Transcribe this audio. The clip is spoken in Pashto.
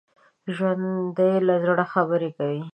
ژوندي له زړه خبرې کوي